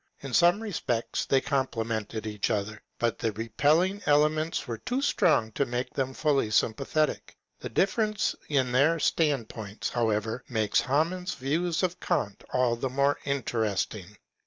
In some respects they complemented each other; but the repelling elements were too strong to make them fully sympathetic. The difference in their stand points, however, makes Hamanns views of Kant all the more interesting.